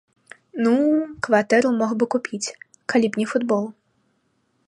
Ну, кватэру мог бы купіць, калі б не футбол.